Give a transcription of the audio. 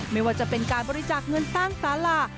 ไม่ว่าจะเป็นการบริจาคเงินสร้างสารา